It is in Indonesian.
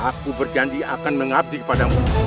aku berjanji akan mengabdi kepadamu